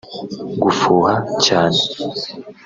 Gufuha cyane